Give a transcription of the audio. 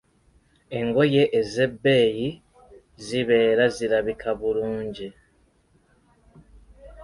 Engoye ez'ebbeeyi zibeera zirabika bulungi.